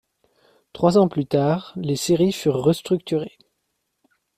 Trois ans plus tard, les séries furent restructurées.